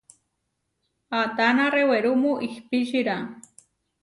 Ataná rewerúmu ihpíčira?